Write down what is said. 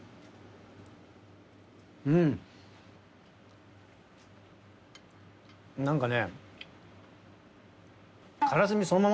うん。何かね。